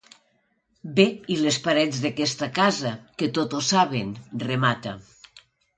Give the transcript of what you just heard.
Bé, i les parets d'aquesta casa, que tot ho saben –remata–.